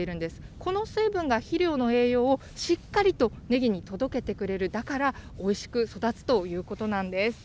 この水分が肥料の栄養をしっかりとねぎに届けてくれる、だからおいしく育つということなんです。